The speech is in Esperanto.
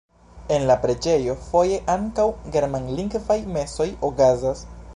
En la preĝejo foje ankaŭ germanlingvaj mesoj okazas.